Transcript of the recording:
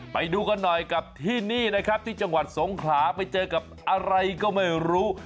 ไปดูกันหน่อยกับที่นี่นะครับที่จังหวัดสงขลาไปเจอกับอะไรก็ไม่รู้